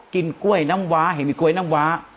กินกล้วยน้ำว้าเห็นมีกล้วยน้ำว้า